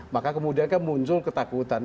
maka kemudian kan muncul ketakutan